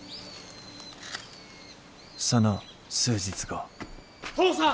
その数日後・父さん！